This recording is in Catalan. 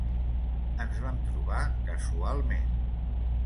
Ens vam trobar casualment.